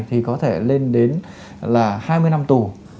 thì có thể lên đến là hai mươi năm tù